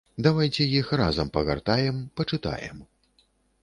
Давайце іх разам пагартаем, пачытаем.